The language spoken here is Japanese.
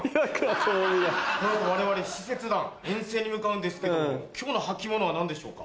この後我々使節団遠征に向かうんですけども今日の履物は何でしょうか？